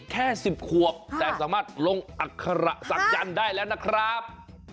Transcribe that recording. แค่๑๐ขวบแต่สามารถลงอัคระศักดิ์ได้แล้วนะครับ